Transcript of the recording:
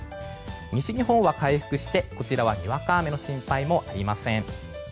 西日本は回復してこちらはにわか雨の心配もありません。